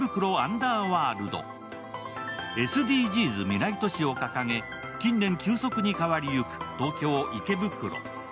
ＳＤＧｓ未来都市を掲げ、近年、急速に変わりゆく東京・池袋。